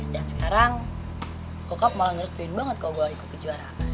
dan sekarang bokap malah ngerestuin banget kalo gue ikutin juara